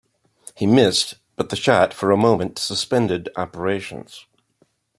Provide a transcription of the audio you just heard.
He missed, but the shot for a moment suspended operations.